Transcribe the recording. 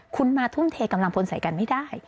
คุณมาทุ่มเทกำลังพลใส่กันไม่ได้